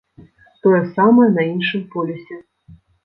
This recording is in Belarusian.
Тое самае на іншым полюсе.